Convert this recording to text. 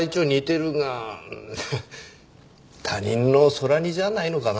他人の空似じゃないのかな？